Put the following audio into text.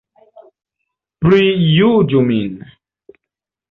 Prijuĝu min!